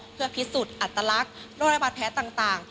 เพื่อพิสูจน์อัตลักษณ์โรคระบาดแพ้ต่าง